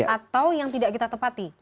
atau yang tidak kita tepati